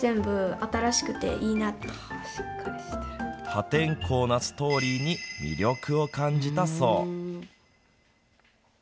破天荒なストーリーに魅力を感じたそう。